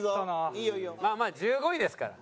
まあまあ１５位ですから。